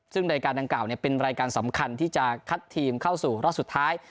ซึ่งรายการดังกล่าวเป็นรายการสำคัญที่จะคัดทีมเข้าสู่รอบสุดท้าย